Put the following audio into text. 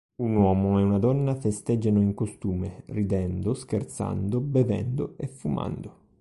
Un uomo e una donna festeggiano in costume, ridendo, scherzando, bevendo e fumando.